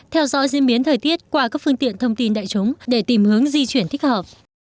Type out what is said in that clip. theo dõi diễn biến thời tiết qua các phương tiện thông tin đại chúng để tìm hướng di chuyển thích hợp